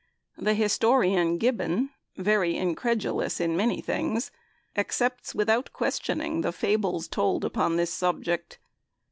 The historian Gibbon, very incredulous in many things, accepts without questioning the fables told upon this subject.